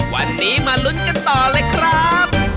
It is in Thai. วันนี้มาลุ้นกันต่อเลยครับ